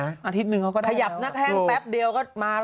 อะไรนะอาทิตย์หนึ่งเขาก็ได้แล้วอ่ะขยับหนักแห้งแป๊บเดียวก็มาแล้ว